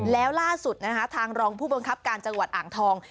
แล้วล่าสุดนะคะทางรองผู้บังคับการจังหวัดอ่างทอง